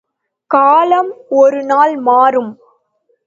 காலம் ஒரு நாள் மாறும்.